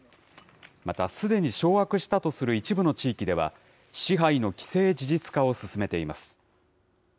また、すでに掌握したとする一部の地域では、支配の既成事実化を進めています。